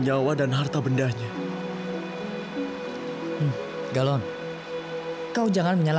ingat jangan sisakan satu orang pun juga